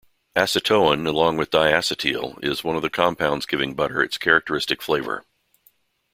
Acetoin, along with diacetyl, is one of the compounds giving butter its characteristic flavor.